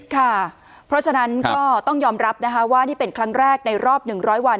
ค่ะเพราะฉะนั้นก็ต้องยอมรับนะคะว่านี่เป็นครั้งแรกในรอบ๑๐๐วัน